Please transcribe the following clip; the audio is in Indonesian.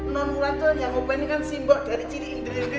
nol mulan tuh yang ngopain kan si mbok dari ciri indri indri sampai sekarang